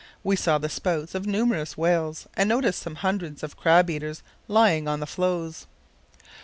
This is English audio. We saw the spouts of numerous whales and noticed some hundreds of crab eaters lying on the floes.